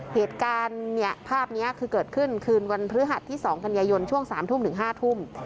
เหตุการณ์เนี่ยภาพนี้คือเกิดขึ้นคืนวันพฤหัสที่๒กันยายนช่วง๓ทุ่มถึง๕ทุ่ม